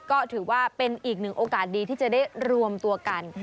ก็ถือว่าเป็นอีกหนึ่งโอกาสดีที่จะได้รวมตัวกัน